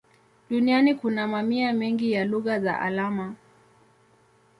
Duniani kuna mamia mengi ya lugha za alama.